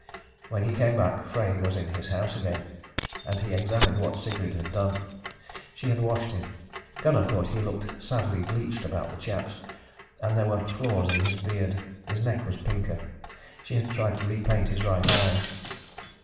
When he came back Frey was in his house again, and he examined what Sigrid had done. She had washed him; Gunnar thought he looked sadly bleached about the chaps, and there were flaws in his beard. His neck was pinker. She had tried to repaint his right eye.